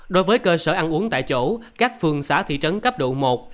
đối với cơ sở ăn uống tại chỗ các phường xã thị trấn cấp độ một